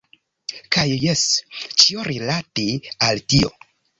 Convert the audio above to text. Kaj jes! Ĉio rilate al tio.